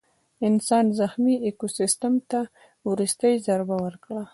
انسان زخمي ایکوسیستم ته وروستۍ ضربه ورکړه.